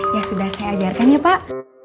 ya sudah saya ajarkan ya pak